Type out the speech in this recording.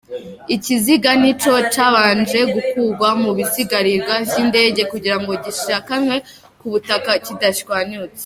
Ikiziga nico cabanje gukugwa mu bisigarira vy'indege, kugira ngo gishikanwe ku butaka kidashwanyutse.